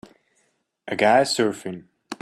A guy surfing.